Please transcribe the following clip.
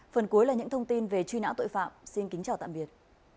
phần cuối là những thông tin về truy nã tội phạm xin kính chào tạm biệt